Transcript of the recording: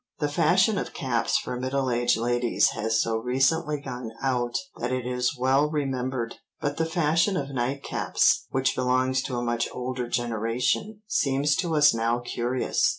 The fashion of caps for middle aged ladies has so recently gone out that it is well remembered, but the fashion of night caps, which belongs to a much older generation, seems to us now curious.